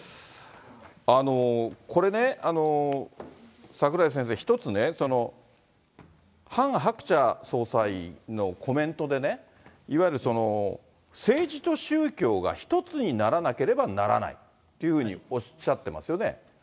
これね、櫻井先生、一つね、ハン・ハクチャ総裁のコメントでね、いわゆる政治と宗教が一つにならなければならないというふうにおっしゃってますよね。